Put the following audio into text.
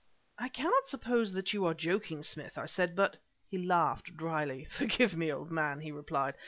"I cannot suppose that you are joking, Smith," I said, "but " He laughed dryly. "Forgive me, old man," he replied.